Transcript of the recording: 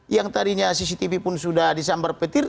yang tadinya cctv pun sudah disambar petir